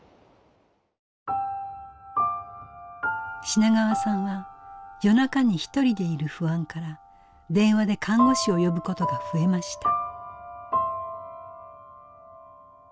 品川さんは夜中にひとりでいる不安から電話で看護師を呼ぶことが増えました。